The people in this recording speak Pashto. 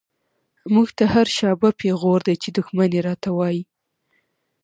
موږ ته هر” شا به” پيغور دی، چی دښمن يې را ته وايې